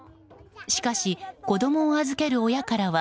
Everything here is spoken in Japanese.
しかし、子供を預ける親からは。